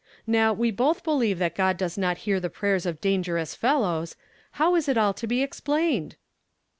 Now, we both believe that God does not hear the prayers of dangerous fellows ! How is it all to be ex plained?